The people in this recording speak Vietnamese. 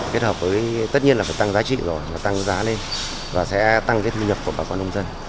kết hợp với tất nhiên là phải tăng giá trị rồi mà tăng giá lên và sẽ tăng cái thu nhập của bà con nông dân